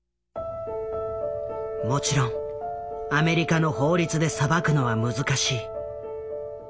もちろんアメリカの法律で裁くのは難しい。